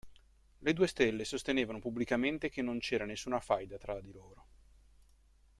Le due stelle sostenevano pubblicamente che non c'era nessuna faida tra di loro.